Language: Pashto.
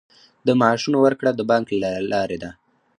د معاشونو ورکړه د بانک له لارې ده